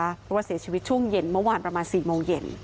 เพราะว่าเสียชีวิตช่วงเย็นเมื่อวานประมาณ๔โมงเย็น